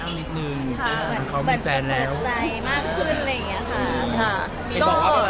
ขอบคุณค่ะว่าเจออะไรอย่างนี้